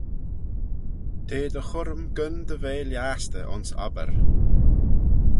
T'eh dty churrym gyn dy ve lhiastey ayns obbyr.